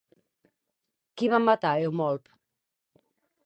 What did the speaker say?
Qui va matar Eumolp?